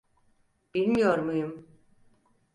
Bilmiyor muyum?